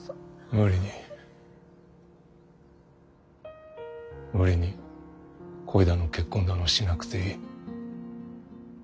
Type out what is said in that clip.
無理に無理に恋だの結婚だのしなくていい。